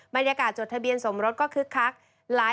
บรรยากาศจดทะเบียนสมรสก็คึกคัก